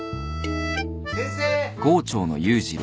・先生。